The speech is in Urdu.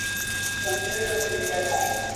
central Australia time